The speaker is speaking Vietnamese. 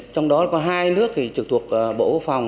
trong đó có hai nước thì trực thuộc bộ quốc phòng